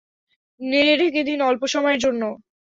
নেড়ে ঢেকে দিন অল্প সময়ের জন্য।